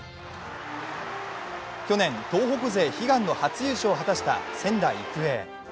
去年、東北勢悲願の初優勝を果たした仙台育英。